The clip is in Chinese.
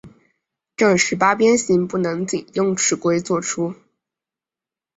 正十八边形不能仅用尺规作出。